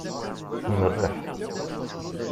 Tmerreḥ.